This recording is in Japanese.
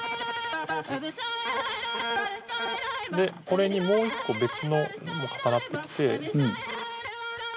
でこれにもう一個別のも重なってきて。